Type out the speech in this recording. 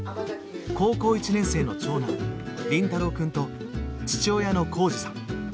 高校１年生の長男凛太郎くんと父親の絋二さん。